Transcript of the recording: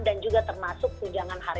dan juga termasuk tunjangan harga